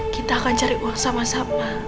kita akan cari uang sama sama